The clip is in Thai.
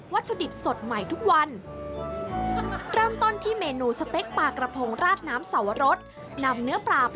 วัตถุดิบสดใหม่ทุกวัน